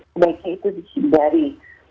sebaiknya itu disimbari